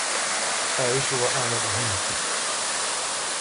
أعيش وأعمل هنا.